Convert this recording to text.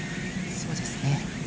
そうですね。